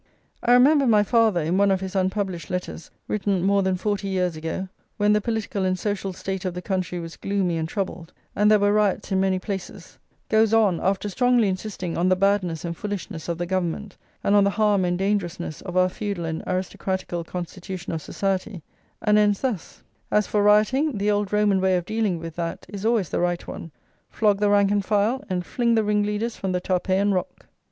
I remember my father, in one of his unpublished letters written more than forty years ago, when the political and social state of the country was gloomy and troubled, and there were riots in many places, goes on, after strongly insisting on the badness and foolishness of the government, and on the harm and dangerousness of our feudal and aristocratical constitution of society, and ends thus: "As for rioting, the old Roman way of dealing with that is always the right one; flog the rank and file, and fling the ringleaders from the Tarpeian Rock!"